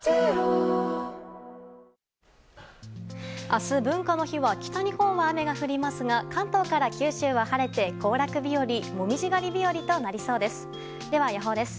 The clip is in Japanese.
明日、文化の日は北日本は雨が降りますが関東から九州は晴れて行楽日和紅葉狩り日和となりそうです。